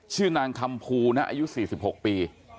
ชื่อนางคำภูนะอายุ๔๖ปี